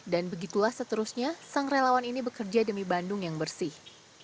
dan begitulah seterusnya sang relawan ini bekerja demi bandung yang bersih